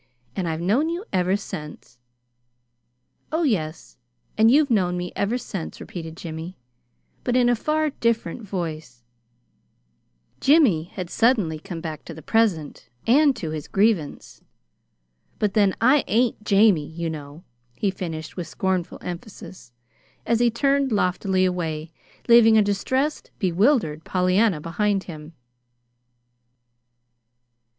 "And I've known you ever since." "Oh, yes and you've known me ever since," repeated Jimmy but in a far different voice: Jimmy had suddenly come back to the present, and to his grievance. "But, then, I ain't 'JAMIE,' you know," he finished with scornful emphasis, as he turned loftily away, leaving a distressed, bewildered Pollyanna behind him.